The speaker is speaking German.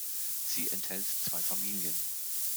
Sie enthält zwei Familien.